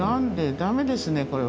ダメですねこれは。